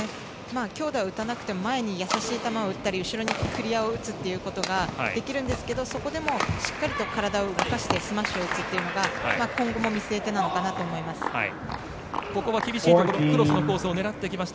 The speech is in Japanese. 強打を打たなくても前にやさしい球を打ったり後ろにクリアを打つということができるんですけどそこでもしっかりとスマッシュを打つというのが今後を見据えてなのかなと思います。